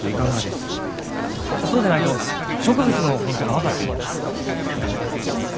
そうでないと植物の本当が分からん。